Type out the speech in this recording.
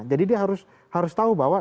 jadi dia harus tahu bahwa